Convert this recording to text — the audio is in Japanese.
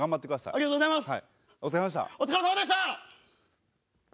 ありがとうございます。